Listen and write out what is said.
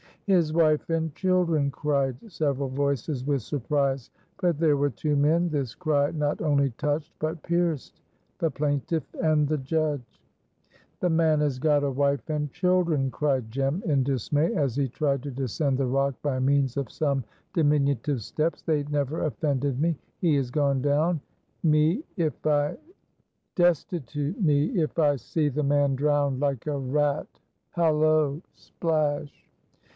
"His wife and children!" cried several voices with surprise; but there were two men this cry not only touched, but pierced the plaintiff and the judge. "The man has got a wife and children," cried Jem in dismay, as he tried to descend the rock by means of some diminutive steps. "They never offended me he is gone down, me if I see the man drowned like a rat Hallo! Splash!"